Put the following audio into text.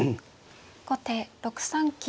後手６三金。